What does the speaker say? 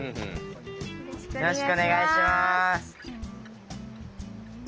よろしくお願いします。